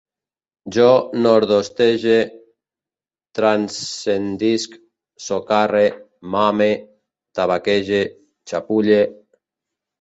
Jo nordoestege, transcendisc, socarre, mame, tabaquege, xapulle